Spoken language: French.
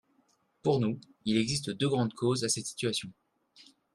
Pour nous, il existe deux grandes causes à cette situation.